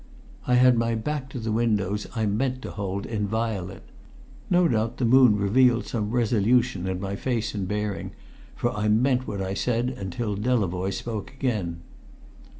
I had my back to the windows I meant to hold inviolate. No doubt the moon revealed some resolution in my face and bearing, for I meant what I said until Delavoye spoke again.